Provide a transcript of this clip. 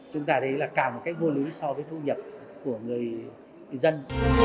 chúng ta thấy là càng một cách vô lý so với thu nhập của người dân